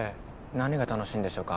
何が楽しいんでしょうか？